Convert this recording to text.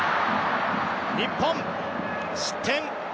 日本、失点。